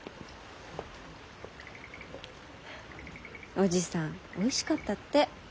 おじさんおいしかったって。